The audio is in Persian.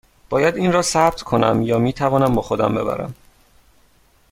باید این را ثبت کنم یا می توانم با خودم ببرم؟